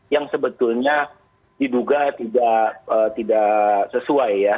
yang sebetulnya diduga tidak sesuai ya